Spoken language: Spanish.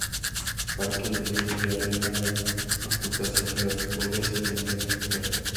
Parker y Leslie arreglan la ocultación de las joyas y la envían a cortar.